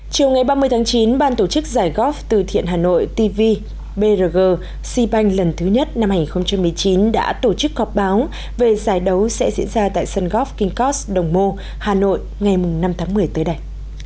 chiều ngày ba mươi tháng chín ban tổ chức giải góp từ thiện hà nội tv brg sipanh lần thứ nhất năm hai nghìn một mươi chín đã tổ chức họp báo về giải đấu sẽ diễn ra tại sân góp kinkos đồng mô hà nội ngày năm tháng một mươi tới đây